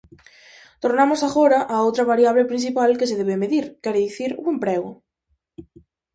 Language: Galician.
Tornamos agora á outra variable principal que se debe medir, quere dicir, ó emprego.